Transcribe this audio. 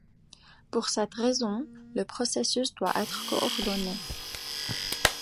Pour cette raison, le processus doit être coordonné.